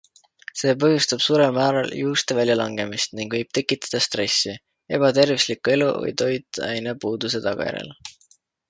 See põhjustab suurel määral juuste väljalangemist ning võib tekkida stressi, ebatervisliku elu või toitainepuuduse tagajärjel.